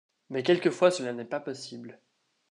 Mais quelquefois cela n'est pas possible.